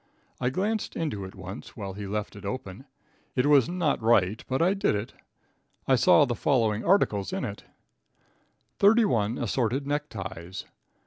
I glanced into it once while he left it open. It was not right, but I did it. I saw the following articles in it: 31 Assorted Neckties.